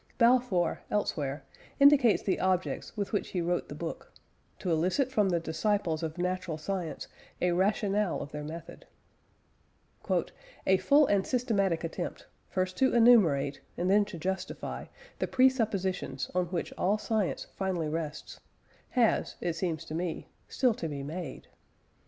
Balfour, elsewhere, indicates the objects with which he wrote the book to elicit from the disciples of natural science a rationale of their method: "A full and systematic attempt, first to enumerate, and then to justify, the presuppositions on which all science finally rests, has, it seems to me, still to be made.